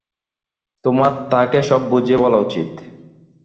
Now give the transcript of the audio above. তোমার তাকে সব বুঝিয়ে বলা উচিত।